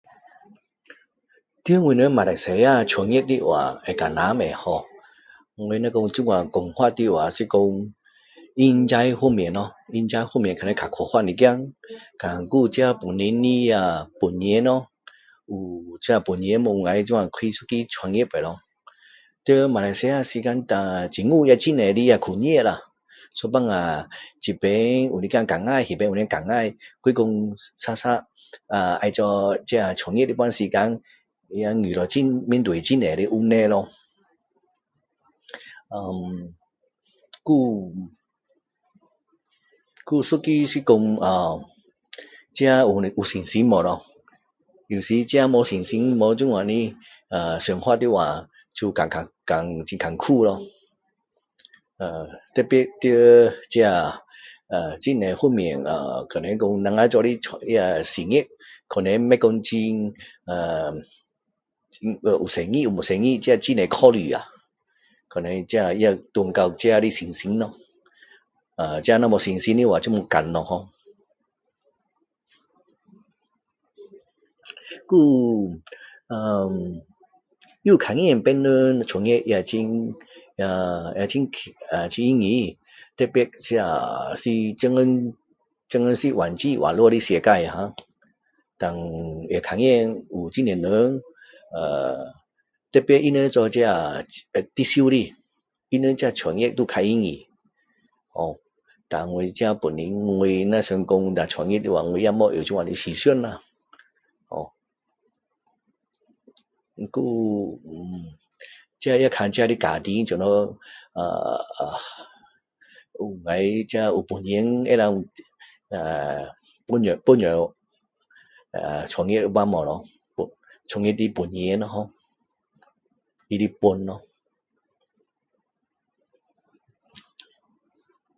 在我们马来西亚创业的话会难吗ho我若说这样讲法的话可能说人才方面咯人才方面可能较缺乏一点胆还有自己本身的本钱咯有这样本钱能够开一个这样创业吗咯在马来西亚时间啊政府也很多的控制啦有时候这边有一点干扰那边有一点干扰还是说常常呃要做创业的时候也遇到面对很大的问题咯嗯还有还有一个是说啊自己有信心吗咯有时候自己若没有信心没有想法的话就辛辛辛很辛苦咯呃特别在这呃很多方面可能说我们做的事业可能不说很呃很有生意没生意这很多考虑啊可能这也转到自己的信心咯呃自己若没有信心的话就不敢了ho还有呃也看见别人创业呃呃也很容易特别是现今网际网路的世界啊胆也看见有很多人呃特别他们这些做直销的特别他们创业就较容易胆我自己本身我若说创业的话我也没用这样的思想啦ho还有这个看自己的家庭可以怎样呃有本钱能够帮助帮助呃创业吗咯创业的本钱啦ho他的本咯